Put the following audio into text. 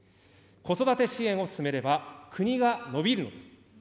子育て支援を進めれば、国が伸びるんです。